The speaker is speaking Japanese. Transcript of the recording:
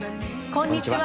こんにちは。